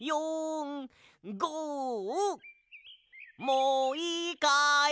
もういいかい？